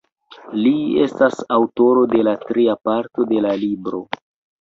Li estas aŭtoro de la tria parto de la libro.